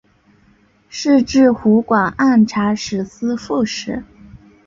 仕至湖广按察使司副使。